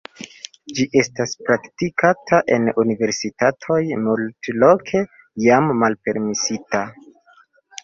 Ĝi estas praktikata en universitatoj, multloke jam malpermesita.